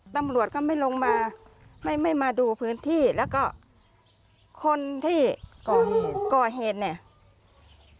ตำรวจก็ไม่ลงมาไม่ไม่มาดูพื้นที่แล้วก็คนที่ก่อเหตุเนี่ย